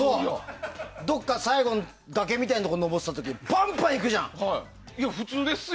最後の崖みたいなところ登ってた時、パンパン行くじゃん。